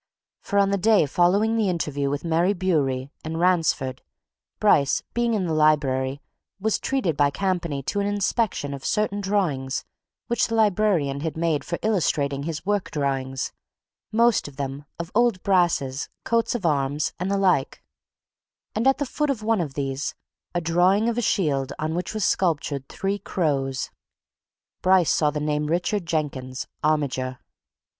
For on the day following the interview with Mary Bewery and Ransford, Bryce being in the library was treated by Campany to an inspection of certain drawings which the librarian had made for illustrating his work drawings, most of them, of old brasses, coats of arms, and the like, And at the foot of one of these, a drawing of a shield on which was sculptured three crows, Bryce saw the name Richard Jenkins, armiger.